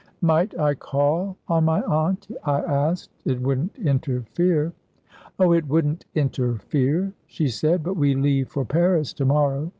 "Might I call on my aunt?" I asked. "It wouldn't interfere " "Oh, it wouldn't interfere," she said, "but we leave for Paris to morrow.